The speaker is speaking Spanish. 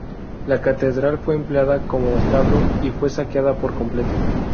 La catedral fue empleada como establo y fue saqueada por completo.